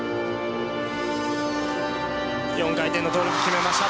４回転のトウループ決めました。